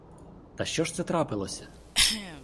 Та що ж це трапилося?